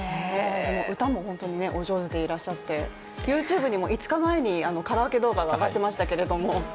歌も本当にお上手でいらっしゃってＹｏｕＴｕｂｅにも５日前に動画が上がってましたけど。